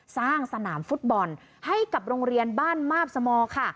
สร้างสนามฟุตบอลให้กับโรงเรียนบ้านมาบสมอค่ะ